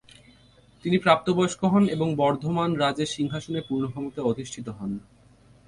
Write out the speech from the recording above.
তিনি প্রাপ্তবয়স্ক হন এবং বর্ধমান রাজের সিংহাসনে পূর্ণ ক্ষমতায় অধিষ্ঠিত হন।